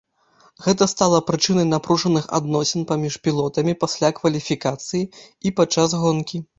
Гэта стала прычынай напружаных адносін паміж пілотамі пасля кваліфікацыі і падчас гонкі.